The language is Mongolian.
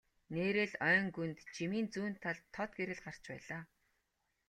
Нээрээ л ойн гүнд жимийн зүүн талд тод гэрэл гарч байлаа.